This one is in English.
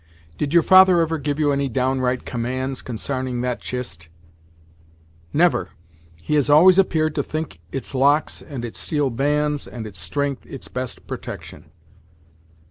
Did your father ever give you any downright commands consarning that chist?" "Never. He has always appeared to think its locks, and its steel bands, and its strength, its best protection."